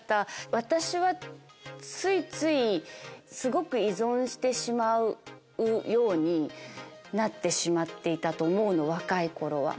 私はついついすごく依存してしまうようになってしまっていたと思うの若い頃は。